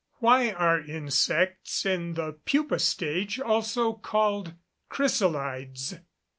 _Why are insects in the "pupa" stage also called "chrysalides?"